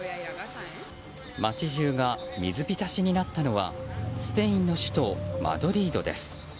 街中が水浸しになったのはスペインの首都マドリードです。